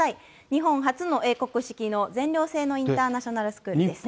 日本初の英国式の全寮制のインターナショナルスクールです。